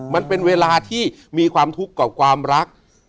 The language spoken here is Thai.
มันเป็นเวลาที่มีความทุกข์กับความรัก